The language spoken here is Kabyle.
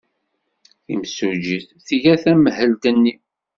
Timsujjit tga tamhelt-nni.